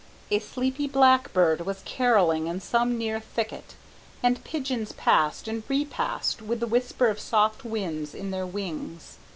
A sleepy blackbird was carolling in some near thicket, and pigeons passed and repassed with the whisper of soft winds in their wings.